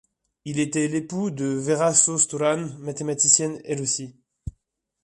Il était l'époux de Vera Sós Turán, mathématicienne elle aussi.